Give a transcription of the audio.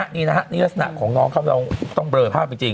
นี่ลักษณะของน้องครับเราต้องเบลอภาพจริง